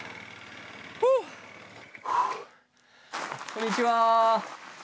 こんにちは。